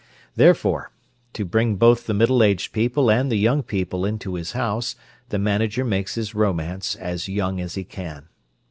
Therefore, to bring both the middle aged people and the young people into his house, the manager makes his romance as young as he can.